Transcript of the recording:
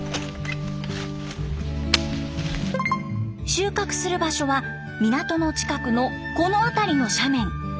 収穫する場所は港の近くのこの辺りの斜面。